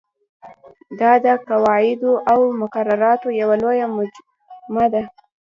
دا د قواعدو او مقرراتو یوه لویه مجموعه ده.